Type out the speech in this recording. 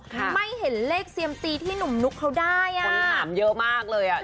ไม่เห็นเลขเซียมซีที่หนุ่มนุ๊กเขาได้อ่ะคนถามเยอะมากเลยอ่ะ